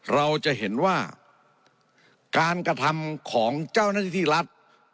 เราจะเห็นว่าการกระทำของเจ้าหน้าที่รัฐ